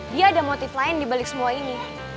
dia ada motif lain dibalik semua ini